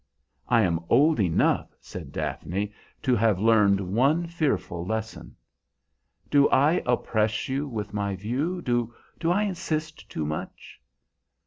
"I am old enough," said Daphne, "to have learned one fearful lesson." "Do I oppress you with my view? Do I insist too much?"